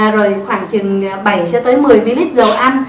rồi khoảng chừng bảy một mươi ml dầu ăn